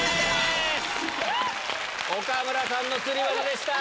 岡村さんの釣り鼻でした。